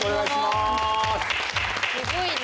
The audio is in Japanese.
すごいね。